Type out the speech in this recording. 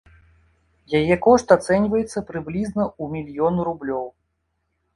Яе кошт ацэньваецца прыблізна ў мільён рублёў.